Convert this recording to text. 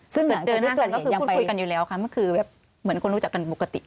ซึ่งหลานจะเจอหน้ากันก็คือพูดคุยกันอยู่แล้วค่ะมันคือแบบเหมือนคนรู้จักกันปกติ